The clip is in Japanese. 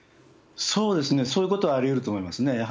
そうですね、そういうことはありうると思いますね。